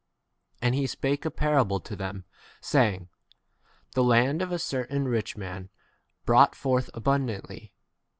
And he spake a parable to them, saying, The land of a certain rich man ^ brought forth abundantly.